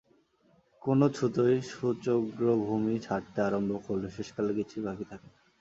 কেনো ছুতোয় সূচ্যগ্রভূমি ছাড়তে আরম্ভ করলে শেষকালে কিছুই বাকি থাকে না।